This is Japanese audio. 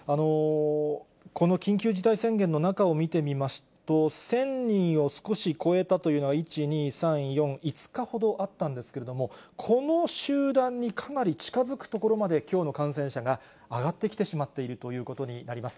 この緊急事態宣言の中を見てみますと、１０００人を少し超えたというのは、１、２、３、４、５日ほどあったんですけれども、この集団にかなり近づくところまできょうの感染者が上がってきてしまっているということになります。